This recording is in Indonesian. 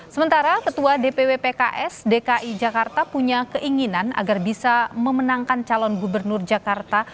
sementara ketua dpw pks dki jakarta punya keinginan agar bisa memenangkan calon gubernur jakarta